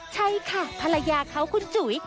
ใช่ค่ะภรรยาเขาคุณจุ๋ย